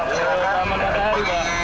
ke wilayah mana pak